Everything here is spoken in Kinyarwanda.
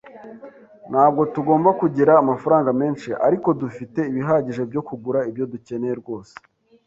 Ntabwo tugomba kugira amafaranga menshi, ariko dufite ibihagije byo kugura ibyo dukeneye rwose.